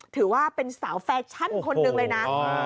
ถือว่าเป็นสาวแฟชั่นคนหนึ่งเลยนะ